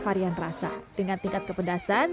varian rasa dengan tingkat kepedasan